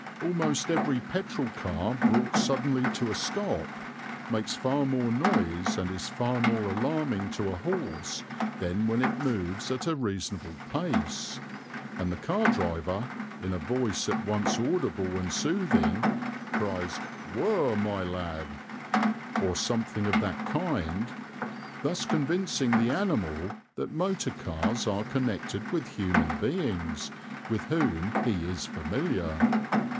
Almost every petrol car brought suddenly to a stop makes far more noise and is far more alarming to a horse than when it moves at a reasonable pace, and the car driver, in a voice at once audible and soothing, cries "Woa, my lad," or something of that kind, thus convincing the animal that motor cars are connected with human beings, with whom he is familiar.